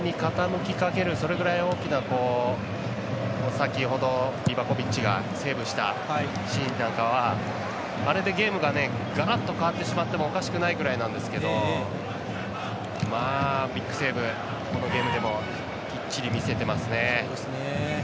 ブラジルの流れに傾きかけるそれぐらい大きな先ほどリバコビッチがセーブしたシーンなんかはあれでゲームががらって変わってしまってもおかしくないくらいなんですけどビッグセーブ、このゲームでもきっちり見せてますね。